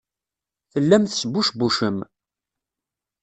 Tellam tesbucbucem.